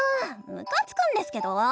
むかつくんですけど！